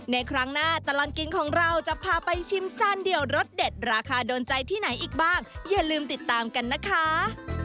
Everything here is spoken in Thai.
ครั้งหน้าตลอดกินของเราจะพาไปชิมจานเดียวรสเด็ดราคาโดนใจที่ไหนอีกบ้างอย่าลืมติดตามกันนะคะ